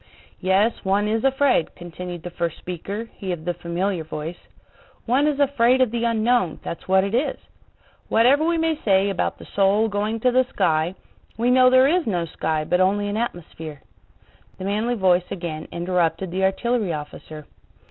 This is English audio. "Yes, one is afraid," continued the first speaker, he of the familiar voice. "One is afraid of the unknown, that's what it is. Whatever we may say about the soul going to the sky... we know there is no sky but only an atmosphere." The manly voice again interrupted the artillery officer.